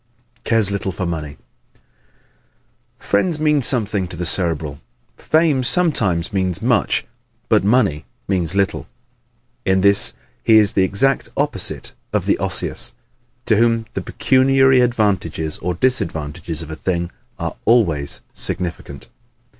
Cares Little for Money ¶ Friends mean something to the Cerebral, fame sometimes means much but money means little. In this he is the exact opposite of the Osseous, to whom the pecuniary advantages or disadvantages of a thing are always significant.